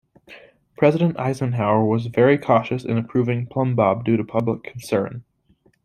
President Eisenhower was very cautious in approving Plumbbob due to public concern.